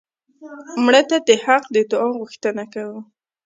مړه ته د حق د دعا غوښتنه کوو